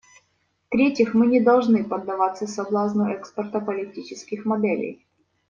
В-третьих, мы не должны поддаваться соблазну экспорта политических моделей.